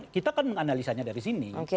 kita kan menganalisanya dari sini